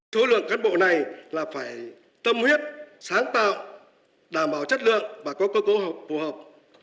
số lượng cán bộ này là phải tâm huyết sáng tạo đảm bảo chất lượng và có cơ cấu học phù hợp